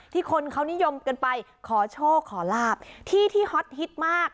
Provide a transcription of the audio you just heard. คนเขานิยมกันไปขอโชคขอลาบที่ที่ฮอตฮิตมาก